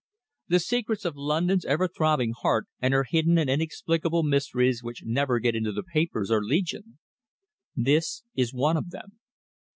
The secrets of London's ever throbbing heart, and her hidden and inexplicable mysteries which never get into the papers, are legion. This is one of them.